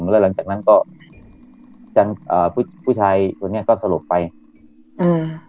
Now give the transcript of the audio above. แล้วหลังจากนั้นก็จนอ่าผู้ชายคนนี้ก็สลบไปอืม